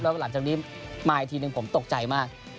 แล้วหลังจากนี้มาอีกทีหนึ่งผมตกใจมาก